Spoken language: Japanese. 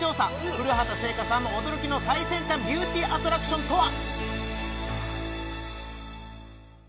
古畑星夏さんも驚きの最先端ビューティーアトラクションとは？